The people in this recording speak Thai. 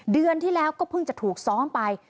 เดือนที่แล้วก็เพิ่งจะถูกซ้อมไป